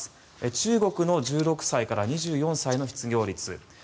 中国の１６歳から２４歳の失業率